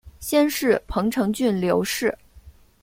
先世彭城郡刘氏。